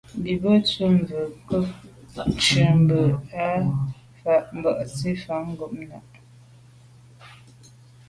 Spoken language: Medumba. Bí jú’ jú zə̄ mvə̌ cúp gí mbə́ fǎ cwɛ̀d mbásì fàá’ ngômnâ’.